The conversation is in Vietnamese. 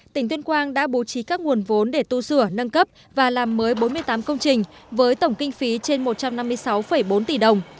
tỉnh tuyên quang đã bố trí các nguồn vốn để tu sửa nâng cấp và làm mới bốn mươi tám công trình với tổng kinh phí trên một trăm năm mươi sáu bốn tỷ đồng